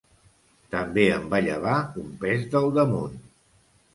També em va llevar un pes del damunt.